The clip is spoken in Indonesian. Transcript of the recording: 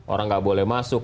orang nggak boleh masuk